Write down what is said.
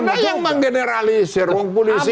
anda yang mengeneralisir wong polisi